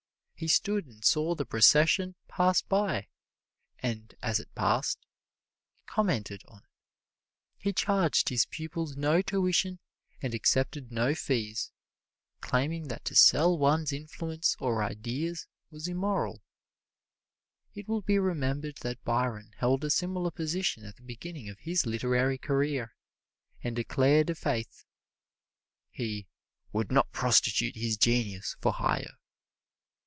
He stood and saw the procession pass by, and as it passed, commented on it. He charged his pupils no tuition and accepted no fees, claiming that to sell one's influence or ideas was immoral. It will be remembered that Byron held a similar position at the beginning of his literary career, and declared i' faith, he "would not prostitute his genius for hire."